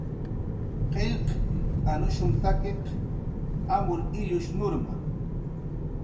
Qillqt'anushumtakiq amur illush nurma